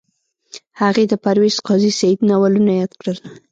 هغې د پرویز قاضي سعید ناولونه یاد کړل